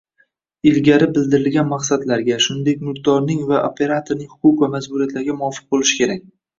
ilgari bildirilgan maqsadlarga, shuningdek mulkdorning va operatorning huquq va majburiyatlariga muvofiq bo‘lishi kerak.